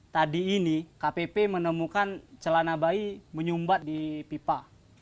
tadi ini kpp menemukan celana bayi menyumbat di pipa